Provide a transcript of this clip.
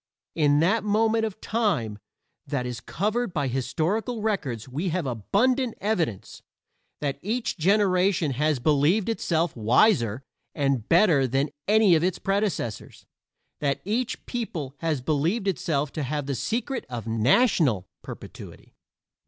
In that moment of time that is covered by historical records we have abundant evidence that each generation has believed itself wiser and better than any of its predecessors; that each people has believed itself to have the secret of national perpetuity.